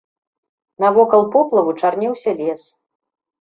Навокал поплаву чарнеўся лес.